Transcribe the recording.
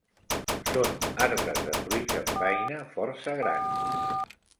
Són arbres de fruits en beina força grans.